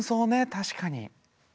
確かに。